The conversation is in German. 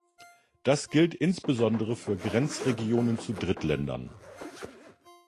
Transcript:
Das gilt insbesondere für Grenzregionen zu Drittländern.